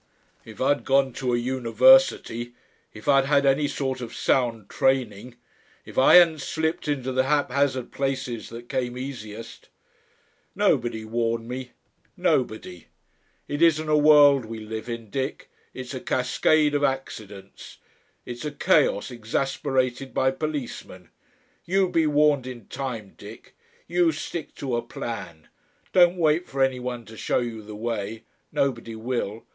"If I'd gone to a university; if I'd had any sort of sound training, if I hadn't slipped into the haphazard places that came easiest.... "Nobody warned me. Nobody. It isn't a world we live in, Dick; it's a cascade of accidents; it's a chaos exasperated by policemen! YOU be warned in time, Dick. You stick to a plan. Don't wait for any one to show you the way. Nobody will.